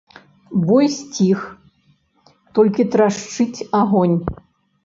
Бой сціх, толькі трашчыць агонь.